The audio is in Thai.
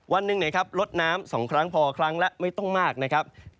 วันหนึ่งลดน้ำ๒ครั้งพอครั้งละไม่ต้องมากนะครับ